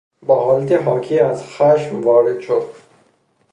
با حالتی حاکی از خشم وارد شد.